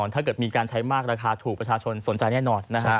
ถ้าเกิดมีการใช้มากราคาถูกประชาชนสนใจแน่นอน